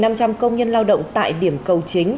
và một năm trăm linh công nhân lao động tại điểm cầu chính